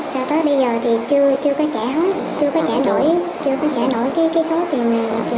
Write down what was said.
sau tới bây giờ thì chưa có trả hết chưa có trả đổi cái số tiền vốn